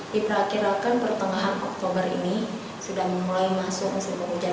diperkirakan pertengahan oktober ini sudah mulai masuk musim penghujan